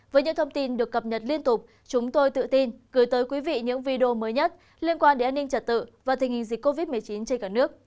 với những thông tin được cập nhật liên tục chúng tôi tự tin gửi tới quý vị những video mới nhất liên quan đến an ninh trật tự và tình hình dịch covid một mươi chín trên cả nước